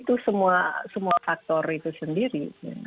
itu semua faktor itu sendiri